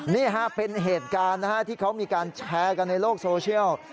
นี่ฮะเป็นเหตุการณ์ที่เขามีการแชร์กันในโลกโซเชียล